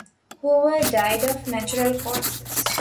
Hoover died of natural causes.